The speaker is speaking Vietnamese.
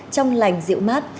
trong lành dịu mát